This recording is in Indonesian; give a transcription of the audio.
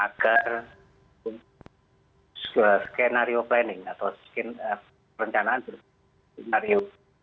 agar skenario planning atau rencanaan skenario